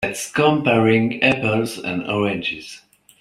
That's comparing apples and oranges.